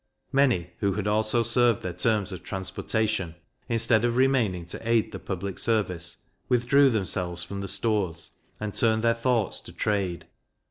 Many who had also served their terms of transportation, instead of remaining to aid the public service, withdrew themselves from the stores, and turned their thoughts to trade.